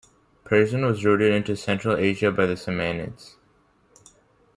Persian was rooted into Central Asia by the Samanids.